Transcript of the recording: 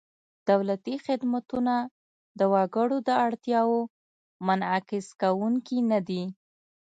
دولتي خدمتونه د وګړو د اړتیاوو منعکس کوونکي نهدي.